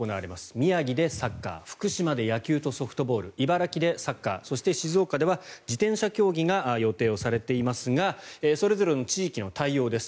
宮城でサッカー福島で野球とソフトボール茨城でサッカーそして静岡では自転車競技が予定をされていますがそれぞれの地域の対応です。